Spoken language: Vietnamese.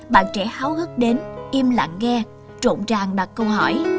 bạn trẻ háo hức đến im lặng nghe trộn tràng đặt câu hỏi